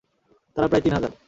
তারা প্রায় তিন হাজার।